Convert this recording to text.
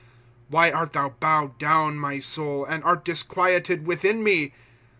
Why art thou bowed down, my soul, And art disquieted within me ?